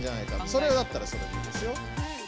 それだったらそれでいいですよ。